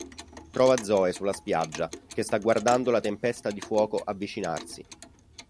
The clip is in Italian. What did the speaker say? Trova Zoe sulla spiaggia, che sta guardando la tempesta di fuoco avvicinarsi.